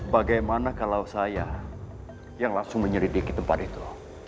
bagaimana kalau saya yang langsung menyelidiki tempat itu